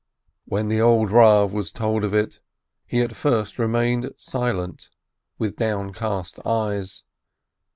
When the old Rav was told of it, he at first remained silent, with downcast eyes.